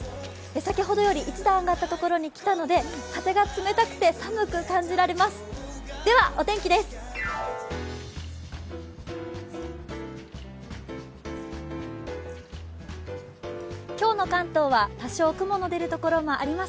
先ほどより１段上がったところに来たので、風が冷たく寒く感じられます。